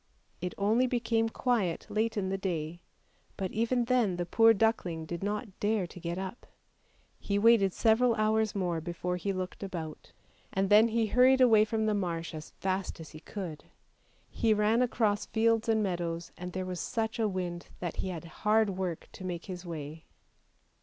It only became quiet late in the day, but even then the poor duckling did not dare to get up ; he waited several hours more before he looked about, 388 ANDERSEN'S FAIRY TALES and then he hurried away from the marsh as fast as he could. He ran across fields and meadows, and there was such a wind that he had hard work to make his way.